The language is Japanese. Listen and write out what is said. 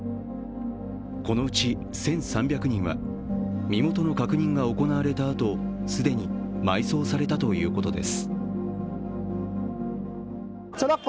このうち１３００人は身元の確認が行われたあと既に埋葬されたということです。